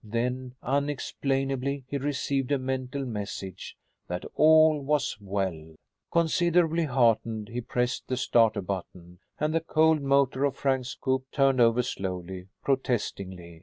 Then, unexplainably, he received a mental message that all was well. Considerably heartened, he pressed the starter button and the cold motor of Frank's coupe turned over slowly, protestingly.